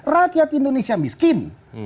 rakyat indonesia miskin